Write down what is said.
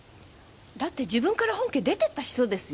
だって自分から本家を出てった人ですよ？